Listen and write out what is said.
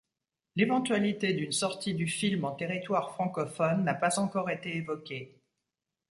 L'éventualité d'une sortie du film en territoire francophone n'a pas encore été évoquée.